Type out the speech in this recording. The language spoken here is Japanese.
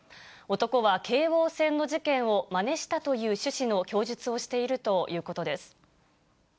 男は京王線の事件をまねしたという趣旨の供述をしているということです。